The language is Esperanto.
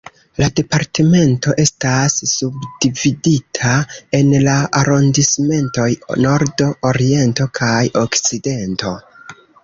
La Departemento estas subdividita en la arondismentoj "nordo", "oriento" kaj "okcidento".